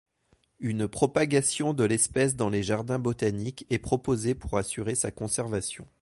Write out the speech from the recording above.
Une propagation de l'espèce dans les jardins botaniques est proposée pour assurer sa conservation.